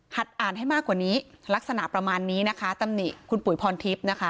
อ่านให้มากกว่านี้ลักษณะประมาณนี้นะคะตำหนิคุณปุ๋ยพรทิพย์นะคะ